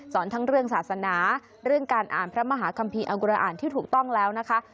ทั้งเรื่องศาสนาเรื่องการอ่านพระมหาคัมภีร์อังกุระอ่านที่ถูกต้องแล้วนะคะ